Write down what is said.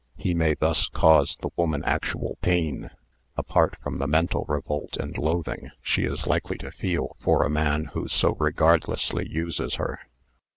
He may thus cause * the woman actual pain, apart from the mental revolt 1 and loathing she is likely to feel for a man who so re ^!' I; gardlessly uses her.